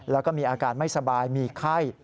แล้วก็มีอาการไม่สบายมีไข้